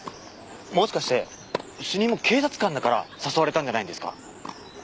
もしかして主任も警察官だから誘われたんじゃないんですか？